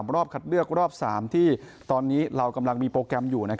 รอบคัดเลือกรอบ๓ที่ตอนนี้เรากำลังมีโปรแกรมอยู่